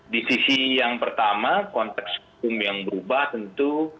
di sisi yang pertama konteks hukum yang berubah tentu